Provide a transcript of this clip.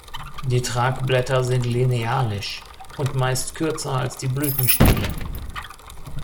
Die Tragblätter sind linealisch und meist kürzer als die Blütenstiele.